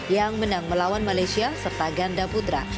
yang menang melawan malaysia serta ganda putra